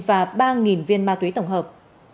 và ba viên ma túy tổng hợp